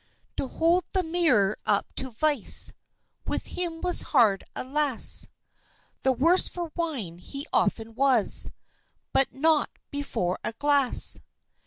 To "hold the mirror up to vice" With him was hard, alas! The worse for wine he often was, But not "before a glass."